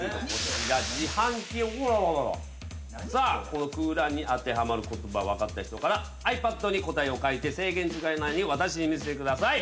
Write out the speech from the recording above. この空欄に当てはまる言葉分かった人からｉＰａｄに答えを書いて制限時間内に私に見せてください。